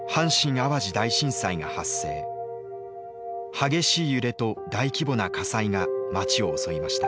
激しい揺れと大規模な火災が町を襲いました。